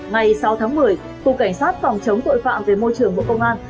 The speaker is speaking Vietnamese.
ngày sáu tháng một mươi cục cảnh sát phòng chống tội phạm về môi trường bộ công an